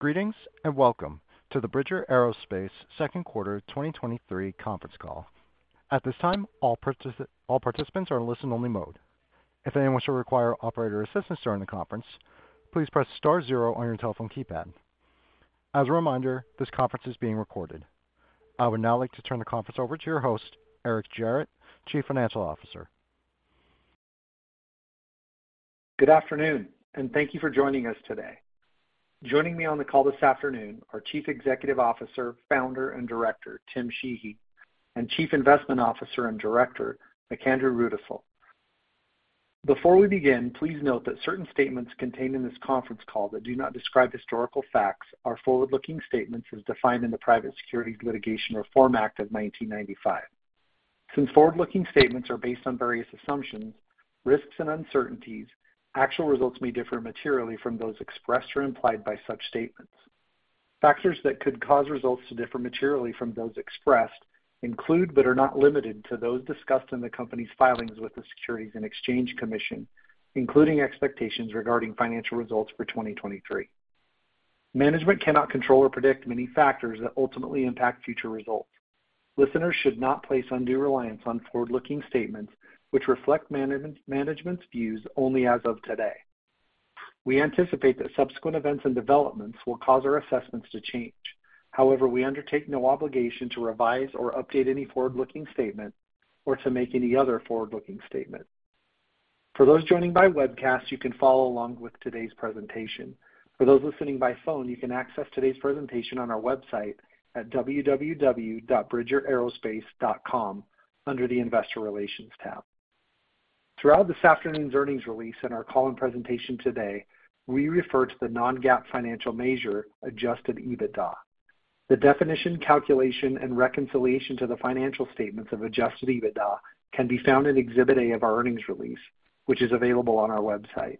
Greetings, welcome to the Bridger Aerospace Second Quarter 2023 Conference Call. At this time, all participants are in listen-only mode. If anyone should require operator assistance during the conference, please press star zero on your telephone keypad. As a reminder, this conference is being recorded. I would now like to turn the conference over to your host, Eric Gerratt, Chief Financial Officer. Good afternoon, and thank you for joining us today. Joining me on the call this afternoon are Chief Executive Officer, Founder, and Director, Tim Sheehy, and Chief Investment Officer and Director, McAndrew Rudisill. Before we begin, please note that certain statements contained in this conference call that do not describe historical facts are forward-looking statements as defined in the Private Securities Litigation Reform Act of 1995. Since forward-looking statements are based on various assumptions, risks, and uncertainties, actual results may differ materially from those expressed or implied by such statements. Factors that could cause results to differ materially from those expressed include, but are not limited to, those discussed in the company's filings with the Securities and Exchange Commission, including expectations regarding financial results for 2023. Management cannot control or predict many factors that ultimately impact future results. Listeners should not place undue reliance on forward-looking statements which reflect management's views only as of today. We anticipate that subsequent events and developments will cause our assessments to change. However, we undertake no obligation to revise or update any forward-looking statement or to make any other forward-looking statement. For those joining by webcast, you can follow along with today's presentation. For those listening by phone, you can access today's presentation on our website at www.bridgeraerospace.com under the Investor Relations tab. Throughout this afternoon's earnings release and our call and presentation today, we refer to the non-GAAP financial measure, adjusted EBITDA. The definition, calculation, and reconciliation to the financial statements of adjusted EBITDA can be found in Exhibit A of our earnings release, which is available on our website.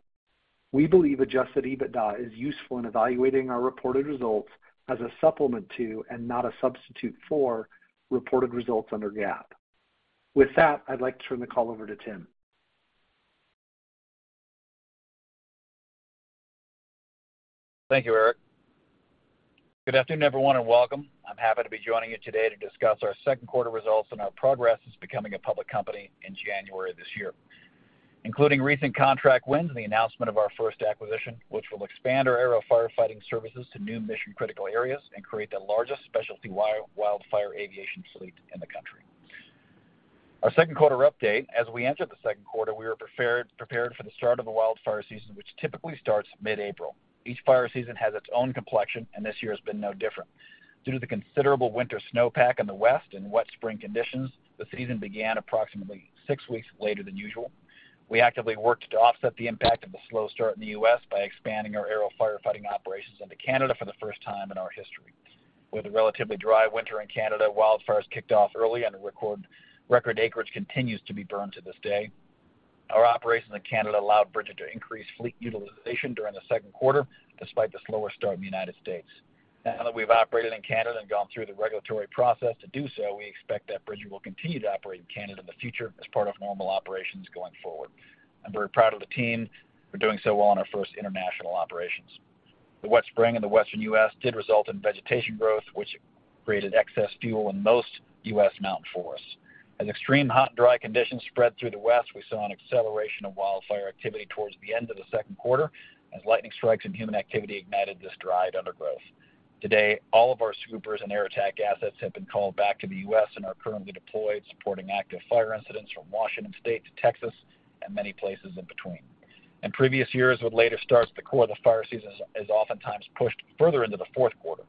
We believe adjusted EBITDA is useful in evaluating our reported results as a supplement to, and not a substitute for, reported results under GAAP. With that, I'd like to turn the call over to Tim. Thank you, Eric. Good afternoon, everyone, and welcome. I'm happy to be joining you today to discuss our second quarter results and our progress as becoming a public company in January this year, including recent contract wins and the announcement of our first acquisition, which will expand our aero firefighting services to new mission-critical areas and create the largest specialty wildfire aviation fleet in the country. Our second quarter update, as we entered the second quarter, we were prepared, prepared for the start of the wildfire season, which typically starts mid-April. Each fire season has its own complexion, and this year has been no different. Due to the considerable winter snowpack in the West and wet spring conditions, the season began approximately six weeks later than usual. We actively worked to offset the impact of the slow start in the U.S. by expanding our aerial firefighting operations into Canada for the first time in our history. With a relatively dry winter in Canada, wildfires kicked off early and a record, record acreage continues to be burned to this day. Our operations in Canada allowed Bridger to increase fleet utilization during the second quarter, despite the slower start in the United States. Now that we've operated in Canada and gone through the regulatory process to do so, we expect that Bridger will continue to operate in Canada in the future as part of normal operations going forward. I'm very proud of the team for doing so well on our first international operations. The wet spring in the western U.S. did result in vegetation growth, which created excess fuel in most U.S. mountain forests. As extreme hot and dry conditions spread through the West, we saw an acceleration of wildfire activity towards the end of the second quarter, as lightning strikes and human activity ignited this dried undergrowth. Today, all of our scoopers and air attack assets have been called back to the U.S. and are currently deployed, supporting active fire incidents from Washington State to Texas and many places in between. In previous years, with later starts, the core of the fire season is oftentimes pushed further into the fourth quarter.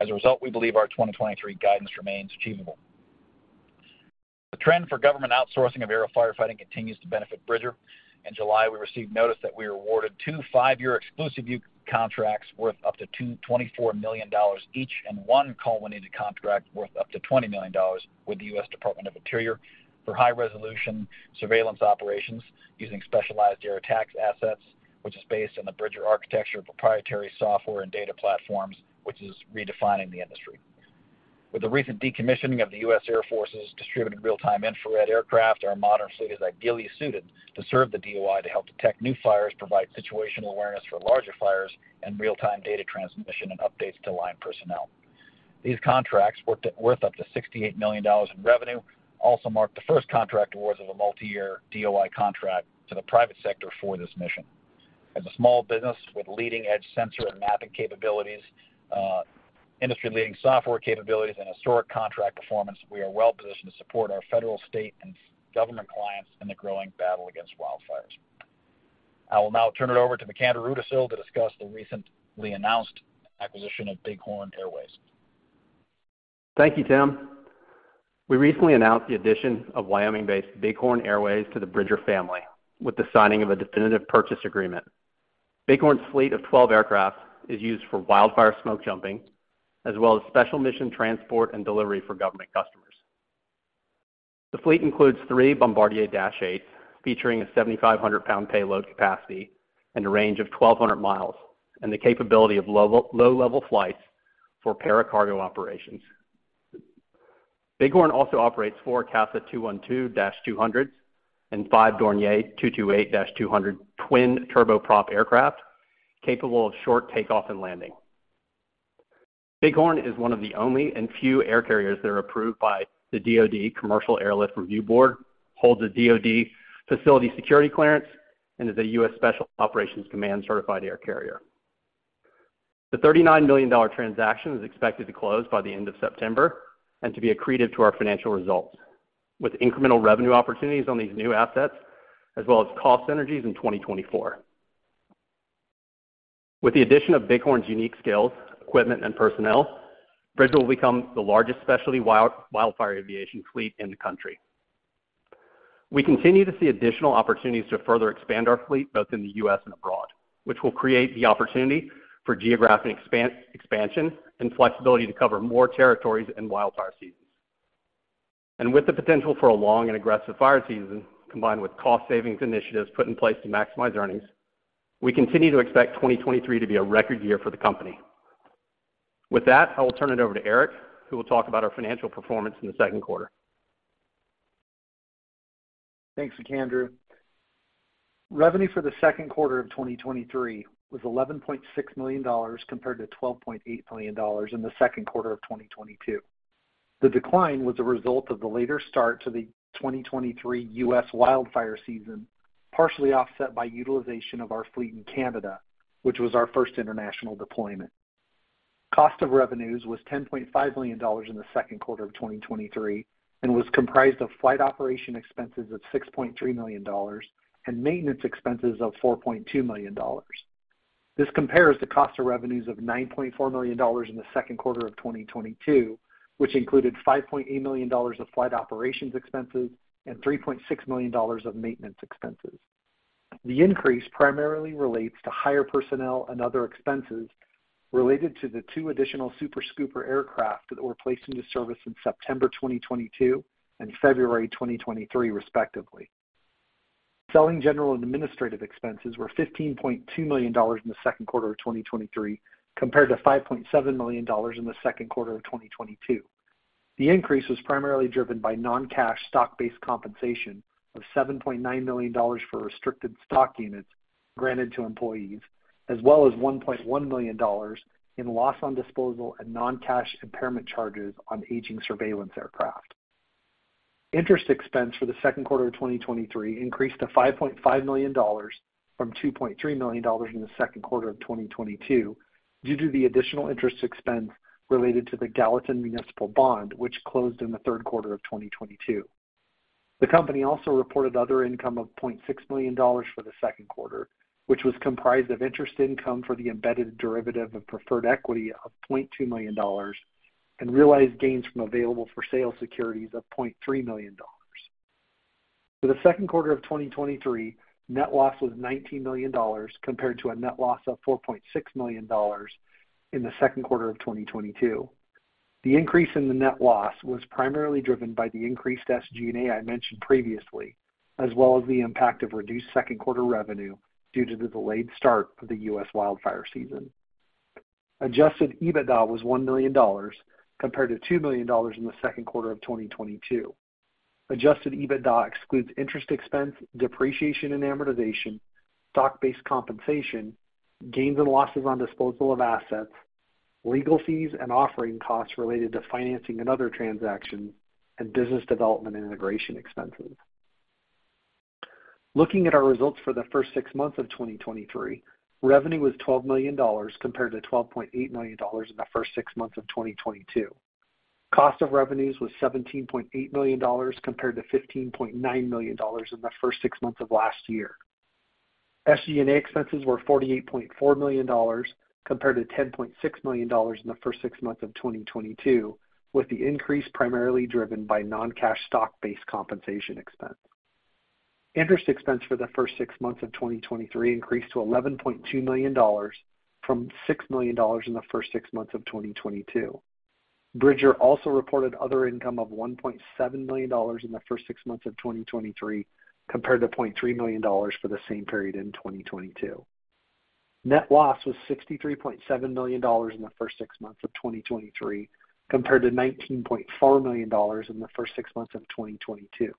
As a result, we believe our 2023 guidance remains achievable. The trend for government outsourcing of aerial firefighting continues to benefit Bridger. In July, we received notice that we were awarded two five-year exclusive use contracts worth up to $24 million each, and one culminating contract worth up to $20 million with the U.S. Department of the Interior for high-resolution surveillance operations using specialized air attack assets, which is based on the Bridger architecture, proprietary software, and data platforms, which is redefining the industry. With the recent decommissioning of the U.S. Air Force's distributed real-time infrared aircraft, our modern fleet is ideally suited to serve the DOI to help detect new fires, provide situational awareness for larger fires, and real-time data transmission and updates to line personnel. These contracts worth up to $68 million in revenue, also marked the first contract awards of a multiyear DOI contract to the private sector for this mission. As a small business with leading-edge sensor and mapping capabilities, industry-leading software capabilities, and historic contract performance, we are well positioned to support our federal, state, and government clients in the growing battle against wildfires. I will now turn it over to McAndrew Rudisill to discuss the recently announced acquisition of Bighorn Airways. Thank you, Tim. We recently announced the addition of Wyoming-based Bighorn Airways to the Bridger family with the signing of a definitive purchase agreement. Bighorn's fleet of 12 aircraft is used for wildfire smoke jumping, as well as special mission transport and delivery for government customers. The fleet includes three Bombardier Dash eight, featuring a 7,500-pound payload capacity and a range of 1,200 miles, and the capability of low-level flights for paracargo operations. Bighorn also operates 4 CASA 212-200 and 5 Dornier 228-200 twin turboprop aircraft, capable of short takeoff and landing. Bighorn is one of the only and few air carriers that are approved by the DoD Commercial Airlift Review Board, holds a DoD facility security clearance, and is a U.S. Special Operations Command certified air carrier. The $39 million transaction is expected to close by the end of September and to be accretive to our financial results, with incremental revenue opportunities on these new assets, as well as cost synergies in 2024. With the addition of Bighorn's unique skills, equipment, and personnel, Bridger will become the largest specialty wildfire aviation fleet in the country. We continue to see additional opportunities to further expand our fleet, both in the U.S. and abroad, which will create the opportunity for geographic expansion and flexibility to cover more territories and wildfire seasons. With the potential for a long and aggressive fire season, combined with cost savings initiatives put in place to maximize earnings, we continue to expect 2023 to be a record year for the company. With that, I will turn it over to Eric, who will talk about our financial performance in the second quarter. Thanks, Andrew. Revenue for the second quarter of 2023 was $11.6 million, compared to $12.8 million in the second quarter of 2022. The decline was a result of the later start to the 2023 U.S. wildfire season, partially offset by utilization of our fleet in Canada, which was our first international deployment. Cost of revenues was $10.5 million in the second quarter of 2023 and was comprised of flight operation expenses of $6.3 million and maintenance expenses of $4.2 million. This compares to cost of revenues of $9.4 million in the second quarter of 2022, which included $5.8 million of flight operations expenses and $3.6 million of maintenance expenses. The increase primarily relates to higher personnel and other expenses related to the two additional Super Scooper aircraft that were placed into service in September 2022 and February 2023, respectively. Selling, general, and administrative expenses were $15.2 million in the second quarter of 2023, compared to $5.7 million in the second quarter of 2022. The increase was primarily driven by non-cash stock-based compensation of $7.9 million for restricted stock units granted to employees, as well as $1.1 million in loss on disposal and non-cash impairment charges on aging surveillance aircraft. Interest expense for the second quarter of 2023 increased to $5.5 million from $2.3 million in the second quarter of 2022, due to the additional interest expense related to the Gallatin Municipal Bond, which closed in the third quarter of 2022. The company also reported other income of $0.6 million for the second quarter, which was comprised of interest income for the embedded derivative of preferred equity of $0.2 million and realized gains from available-for-sale securities of $0.3 million. For the second quarter of 2023, net loss was $19 million, compared to a net loss of $4.6 million in the second quarter of 2022. The increase in the net loss was primarily driven by the increased SG&A I mentioned previously, as well as the impact of reduced second quarter revenue due to the delayed start of the U.S. wildfire season. Adjusted EBITDA was $1 million, compared to $2 million in the second quarter of 2022. Adjusted EBITDA excludes interest expense, depreciation and amortization, stock-based compensation, gains and losses on disposal of assets, legal fees and offering costs related to financing and other transactions, and business development and integration expenses. Looking at our results for the first six months of 2023, revenue was $12 million, compared to $12.8 million in the first six months of 2022. Cost of revenues was $17.8 million, compared to $15.9 million in the first six months of last year. SG&A expenses were $48.4 million, compared to $10.6 million in the first six months of 2022, with the increase primarily driven by non-cash stock-based compensation expense. Interest expense for the first six months of 2023 increased to $11.2 million from $6 million in the first six months of 2022. Bridger also reported other income of $1.7 million in the first six months of 2023, compared to $0.3 million for the same period in 2022. Net loss was $63.7 million in the first six months of 2023, compared to $19.4 million in the first six months of 2022.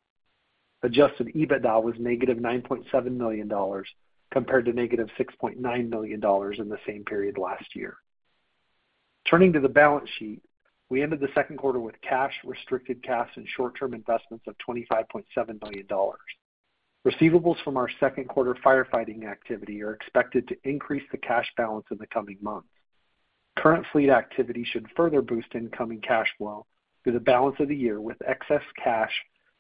Adjusted EBITDA was negative $9.7 million, compared to negative $6.9 million in the same period last year. Turning to the balance sheet, we ended the second quarter with cash, restricted cash, and short-term investments of $25.7 million. Receivables from our second quarter firefighting activity are expected to increase the cash balance in the coming months. Current fleet activity should further boost incoming cash flow through the balance of the year, with excess cash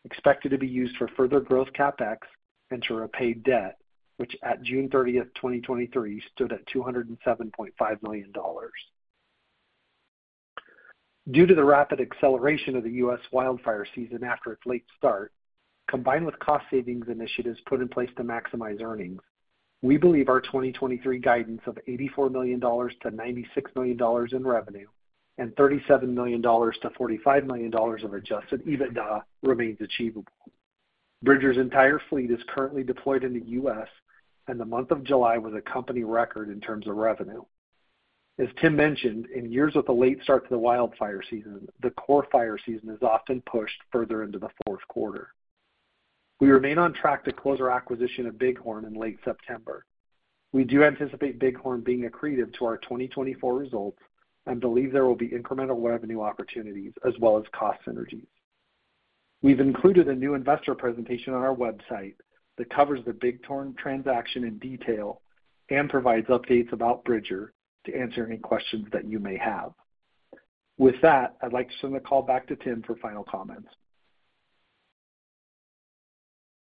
expected to be used for further growth CapEx and to repay debt, which at June 30, 2023, stood at $207.5 million. Due to the rapid acceleration of the U.S. wildfire season after its late start, combined with cost savings initiatives put in place to maximize earnings, we believe our 2023 guidance of $84 million-$96 million in revenue and $37 million-$45 million of adjusted EBITDA remains achievable. Bridger's entire fleet is currently deployed in the U.S., and the month of July was a company record in terms of revenue. As Tim mentioned, in years with a late start to the wildfire season, the core fire season is often pushed further into the fourth quarter. We remain on track to close our acquisition of Bighorn in late September. We do anticipate Bighorn being accretive to our 2024 results and believe there will be incremental revenue opportunities as well as cost synergies. We've included a new investor presentation on our website that covers the Bighorn transaction in detail and provides updates about Bridger to answer any questions that you may have. With that, I'd like to send the call back to Tim for final comments.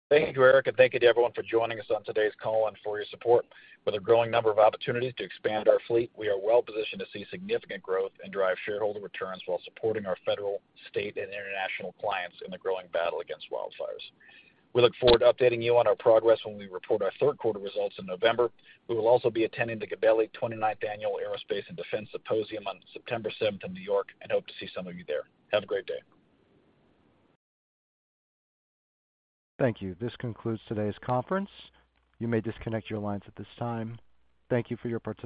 Thank you, Eric, and thank you to everyone for joining us on today's call and for your support. With a growing number of opportunities to expand our fleet, we are well-positioned to see significant growth and drive shareholder returns while supporting our federal, state, and international clients in the growing battle against wildfires. We look forward to updating you on our progress when we report our third quarter results in November. We will also be attending the Gabelli Funds 29th Annual Aerospace & Defense Symposium on September 7th in New York and hope to see some of you there. Have a great day. Thank you. This concludes today's conference. You may disconnect your lines at this time. Thank you for your participation.